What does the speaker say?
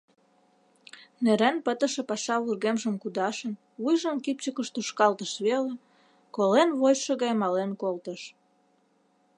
Нӧрен пытыше паша вургемжым кудашын, вуйжым кӱпчыкыш тушкалтыш веле — колен вочшо гай мален колтыш.